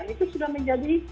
itu sudah menjadi